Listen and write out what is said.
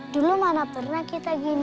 dulu mana pernah kita gini